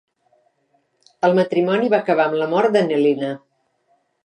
El matrimoni va acabar amb la mort de Nelina.